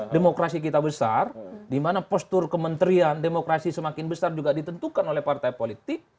demokrasi kita besar di mana postur kementerian demokrasi semakin besar juga ditentukan oleh partai politik